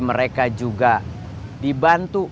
mereka juga dibantu